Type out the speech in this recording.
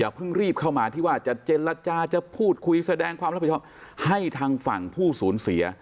เพิ่งรีบเข้ามาที่ว่าจะเจรจาจะพูดคุยแสดงความรับผิดชอบให้ทางฝั่งผู้สูญเสีย